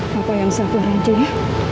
papa yang sabar aja ya